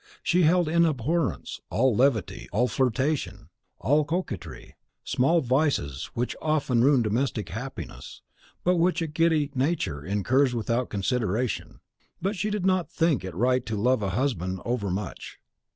She held in abhorrence all levity, all flirtation, all coquetry, small vices which often ruin domestic happiness, but which a giddy nature incurs without consideration. But she did not think it right to love a husband over much.